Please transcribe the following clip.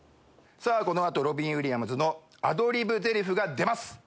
この後ロビン・ウィリアムズのアドリブゼリフが出ます。